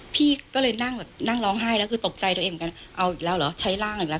พี่ก็เลยนั่งแบบนั่งร้องไห้แล้วคือตกใจตัวเองเหมือนกันเอาอีกแล้วเหรอใช้ร่างอีกแล้ว